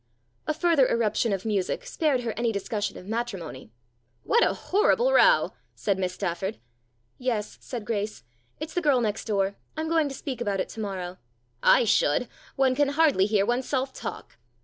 A further irruption of music spared her any discussion of matrimony. " What a horrible row !" said Miss Stafford. "Yes," said Grace. "It's the girl next door. I'm going to speak about it to morrow." " I should. One can hardly hear one's self talk.